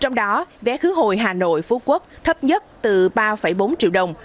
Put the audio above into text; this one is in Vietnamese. trong đó vé khứ hồi hà nội phú quốc thấp nhất từ ba bốn triệu đồng